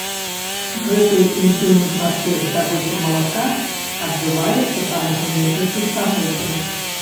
Гэты інтымны працэс здабычы малака адбываецца там ужо некалькі стагоддзяў.